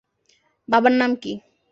বাবার নাম কী?